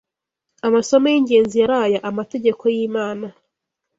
amasomo y’ingenzi yari aya: Amategeko y’Imana